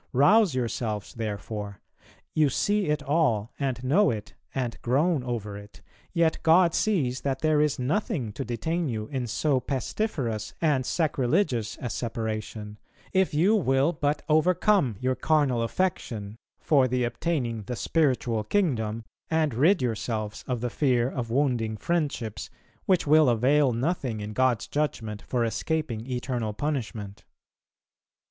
Rouse yourself therefore. .... You see it all, and know it, and groan over it; yet God sees that there is nothing to detain you in so pestiferous and sacrilegious a separation, if you will but overcome your carnal affection, for the obtaining the spiritual kingdom, and rid yourselves of the fear of wounding friendships, which will avail nothing in God's judgment for escaping eternal punishment.